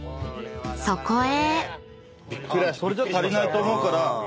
［そこへ］